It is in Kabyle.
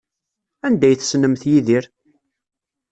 Anda ay tessnemt Yidir?